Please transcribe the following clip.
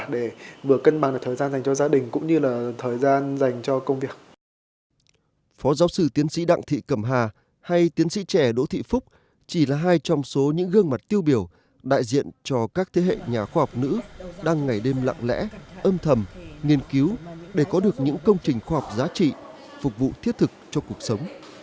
đỗ thị cẩm hà hay tiến sĩ trẻ đỗ thị phúc chỉ là hai trong số những gương mặt tiêu biểu đại diện cho các thế hệ nhà khoa học nữ đang ngày đêm lặng lẽ âm thầm nghiên cứu để có được những công trình khoa học giá trị phục vụ thiết thực cho cuộc sống